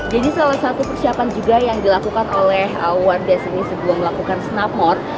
jadi salah satu persiapan juga yang dilakukan oleh wardes ini sebelum melakukan snapmort